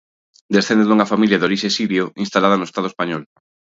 Descende dunha familia de orixe sirio instalada no Estado español.